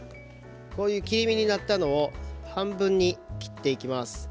切り身になったものを半分に切っていきます。